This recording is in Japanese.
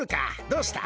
どうした？